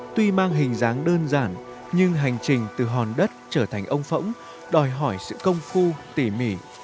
tuy mang hình dáng đơn giản nhưng hành trình từ hòn đất trở thành ông phỗng đòi hỏi sự công phu tỉ mỉ